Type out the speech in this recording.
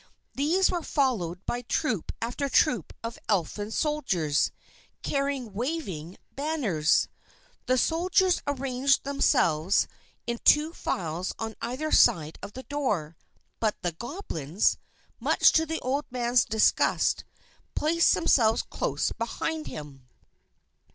These were followed by troop after troop of Elfin soldiers, carrying waving banners. The soldiers arranged themselves in two files on either side of the door; but the Goblins, much to the old man's disgust, placed themselves close behind him.